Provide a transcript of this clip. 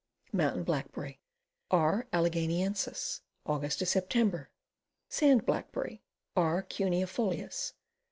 Mountain Blackberry. R. Alleghaniensis. Aug. Sep. Sand Blackberry. R. Cuneijolius.